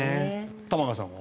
玉川さんは？